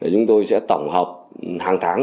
chúng tôi sẽ tổng hợp hàng tháng